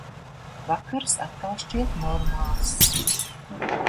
Vakars atkal šķiet normāls.